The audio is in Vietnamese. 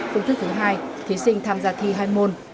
phương thức thứ hai thí sinh tham gia thi hai môn